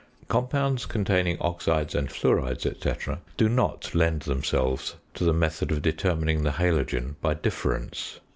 Compounds containing oxides and fluorides, &c., do not lend themselves to the method of determining the halogen by difference.